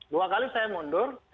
dua kali saya mundur